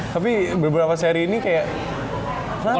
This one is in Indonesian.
tapi beberapa seri ini kayak kenapa ya